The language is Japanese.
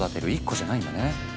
１個じゃないんだね。